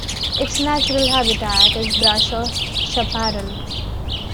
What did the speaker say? Its natural habitat is brush or chaparral.